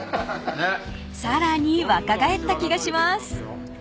［さらに若返った気がします］